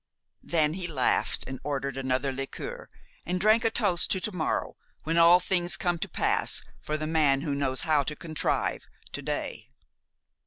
Then he laughed, and ordered another liqueur, and drank a toast to to morrow, when all things come to pass for the man who knows how to contrive to day.